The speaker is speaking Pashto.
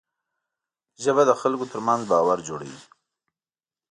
ژبه د خلکو ترمنځ باور جوړوي